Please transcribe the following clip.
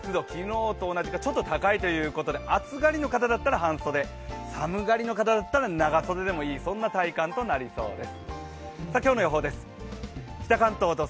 今日の日中は気温、湿度、昨日と比べてちょっと高いということで、暑がりの方だったら半袖、寒がりの方だったら長袖でもいい、そんな体感となりそうです。